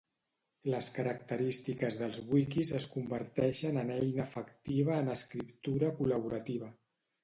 Les característiques dels wikis és converteixen en eina efectiva en escriptura col·laborativa